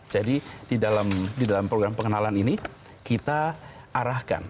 jadi di dalam program pengenalan ini kita arahkan